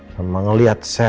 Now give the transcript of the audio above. sama ngeliat sel